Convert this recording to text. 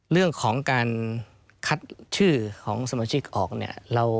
เรื่องของการคัดชื่อของสมาชิกออกเนี่ย